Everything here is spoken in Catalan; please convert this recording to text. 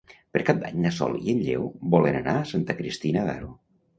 Per Cap d'Any na Sol i en Lleó volen anar a Santa Cristina d'Aro.